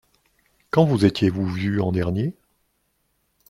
Quand vous étiez-vous vu en dernier ?